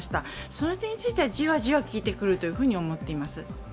その点についてはジワジワ効いてくると思っています。